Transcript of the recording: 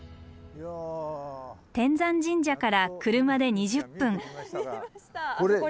天山神社から車で２０分。